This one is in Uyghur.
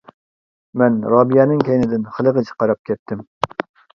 مەن رابىيەنىڭ كەينىدىن خېلىغىچە قاراپ كەتتىم.